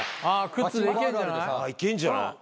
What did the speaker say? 靴でいけんじゃない？